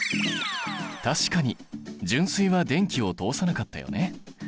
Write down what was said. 確かに純水は電気を通さなかったよね。